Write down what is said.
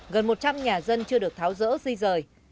gần một trăm linh nhà dân chưa được tháo rỡ di rời